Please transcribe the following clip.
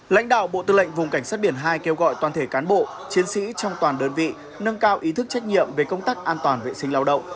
lãnh đạo bộ tư lệnh vùng cảnh sát biển hai kêu gọi toàn thể cán bộ chiến sĩ trong toàn đơn vị nâng cao ý thức trách nhiệm về công tác an toàn vệ sinh lao động